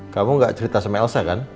kamu gak cerita sama elsa kan